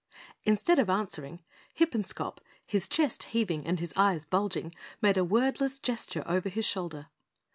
Instead of answering, Hippenscop, his chest heaving and his eyes bulging, made a wordless gesture over his shoulder.